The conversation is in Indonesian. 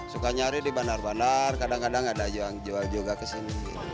suka nyari di bandar bandar kadang kadang ada yang jual juga ke sini